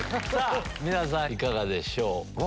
皆さんいかがでしょう？